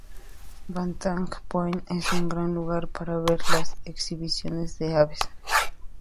Vantage Point es un gran lugar para ver las "exhibiciones de aves".